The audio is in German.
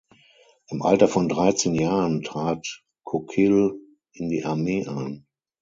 Im Alter von dreizehn Jahren trat Coquille in die Armee ein.